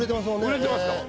売れてますから。